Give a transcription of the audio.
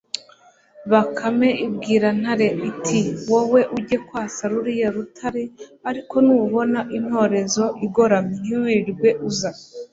bakame ibwira ntare iti 'wowe ujye kwasa ruriya rutare, ariko nubona intorezo igoramye ntiwirirwe uza